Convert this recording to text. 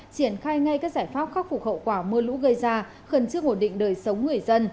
triển khai ngay các giải pháp khắc phục hậu quả mưa lũ gây ra khẩn trương ổn định đời sống người dân